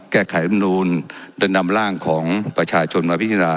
แก้ไขรับนูนดันดำร่างของประชาชนมาพิธีนา